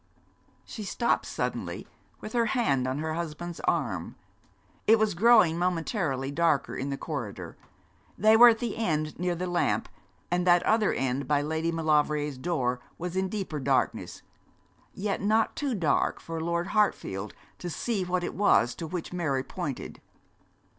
She stopped suddenly, with her hand on her husband's arm. It was growing momentarily darker in the corridor. They were at the end near the lamp, and that other end by Lady Maulevrier's door was in deeper darkness, yet not too dark for Lord Hartfield to see what it was to which Mary pointed.